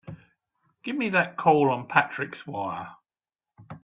Give me that call on Patrick's wire!